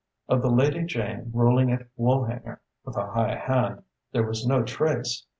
Of the Lady Jane ruling at Woolhanger with a high hand, there was no trace.